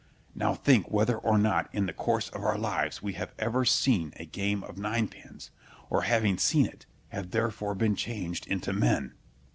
Now think whether or not in the course of our lives we have ever seen a game of nine pins, or having seen it, have therefore been changed into men.